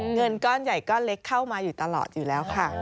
เงินก้อนใหญ่ก้อนเล็กเข้ามาอยู่ตลอดอยู่แล้วค่ะ